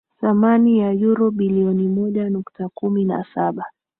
thamani ya euro bilioni moja nukta kumi na saba